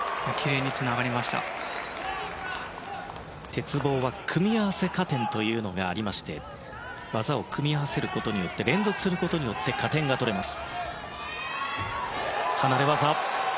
鉄棒は組み合わせ加点がありまして技を組み合わせることによって連続することによって加点が取れます。